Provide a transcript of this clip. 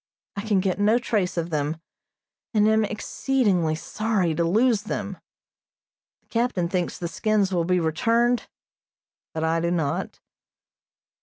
I can get no trace of them, and am exceedingly sorry to lose them. The captain thinks the skins will be returned, but I do not.